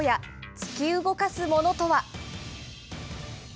突き動かすものとは。